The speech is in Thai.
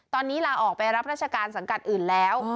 ตอนนี้ลาออกไปรับราชการสังกัดอื่นแล้ว